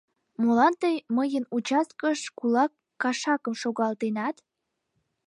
Молан тый мыйын участкыш кулак кашакым шогалтенат?